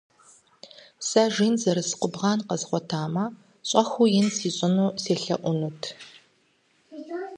Сэ жин зэрыс къубгъан къэзгъуэтатэмэ, щӏэхыу ин сищӏыну селъэӏунут.